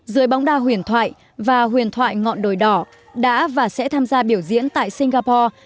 dưới bóng đa huyền thoại và huyền thoại ngọn đồi đỏ đã và sẽ tham gia biểu diễn tại singapore